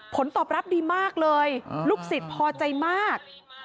ผลตอบรับดีมากเลยลูกศิษย์พอใจมาก